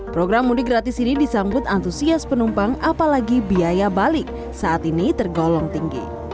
program mudik gratis ini disambut antusias penumpang apalagi biaya balik saat ini tergolong tinggi